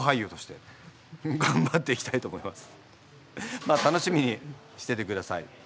まあ楽しみにしててください。